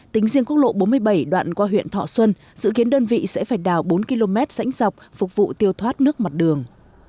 tính riêng quốc lộ bốn mươi bảy đoạn qua huyện thọ xuân dự kiến đơn vị sẽ phải đào bốn km rãnh dọc phục vụ tiêu thoát nước mặt đường